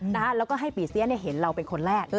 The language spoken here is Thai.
แล้วก็ให้ปีเสียเห็นเราเป็นคนแรก